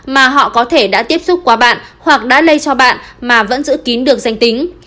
mà họ có thể đã tiếp xúc qua bạn hoặc đã lây cho bạn mà vẫn giữ kín được danh tính